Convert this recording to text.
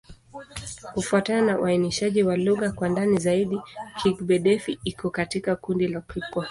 Kufuatana na uainishaji wa lugha kwa ndani zaidi, Kigbe-Defi iko katika kundi la Kikwa.